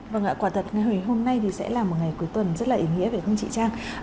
vâng ạ quả thật ngày hôm nay thì sẽ là một ngày cuối tuần rất là ý nghĩa về không chị trang